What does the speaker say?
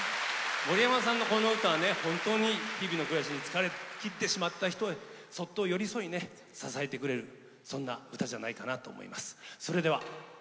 森山さんの、この歌は本当に日々の暮らしに疲れきってしまった人にそっと寄り添い支えてくれるそんな歌じゃないかと思います。